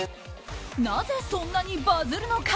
なぜ、そんなにバズるのか？